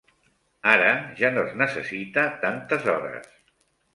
Ara ja no es necessita tantes hores.